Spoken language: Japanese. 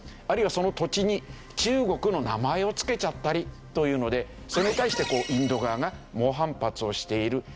あるいはその土地に中国の名前を付けちゃったりというのでそれに対してインド側が猛反発をしている。